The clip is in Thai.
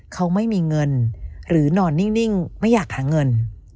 เขาไม่มีเงินหรือนอนนิ่งไม่อยากหาเงิน